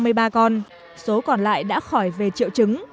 với năm mươi ba con heo số còn lại đã khỏi về triệu chứng